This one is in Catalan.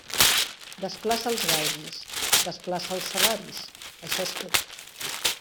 Desplaça els gaudis, desplaça els salaris, això és tot.